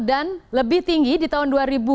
dan lebih tinggi di tahun dua ribu tujuh belas